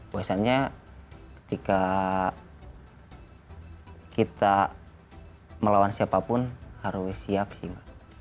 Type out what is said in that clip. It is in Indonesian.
biasanya ketika kita melawan siapapun harus siap sih